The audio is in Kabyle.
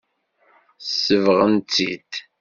Sebɣent-tt-id.